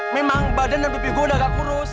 memang badan dan pipi gue udah agak kurus